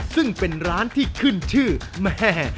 ซึ่งเป็นร้านที่ขึ้นชื่อแม่